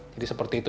jadi seperti itu